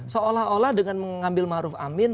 seolah olah dengan mengambil maruf amin